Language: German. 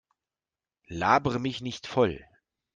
Labere mich nicht voll!